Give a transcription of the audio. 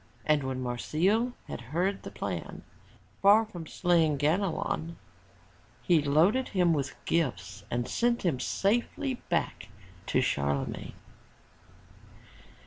And when Marsile had heard the plan, far from slaying Ganelon, he loaded him with gifts and sent him safely back to Charlemagne.